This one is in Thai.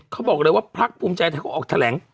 เขาบอกเลยว่าพักภูมิใจไทยเขาออกแถลง